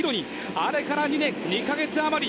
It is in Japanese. あれから２年２か月余り。